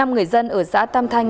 năm người dân ở xã tam thanh